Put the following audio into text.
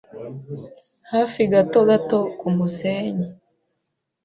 Hafi gato gato kumusenyi